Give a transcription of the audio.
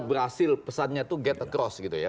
berhasil pesannya itu get across gitu ya